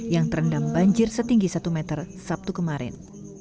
yang terendam banjir setinggi satu meter sabtu kemarin